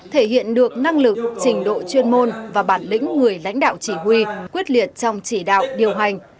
thể hiện được năng lực trình độ chuyên môn và bản lĩnh người lãnh đạo chỉ huy quyết liệt trong chỉ đạo điều hành